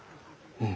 うん。